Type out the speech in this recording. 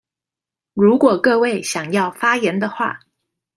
如果各位想要發言的話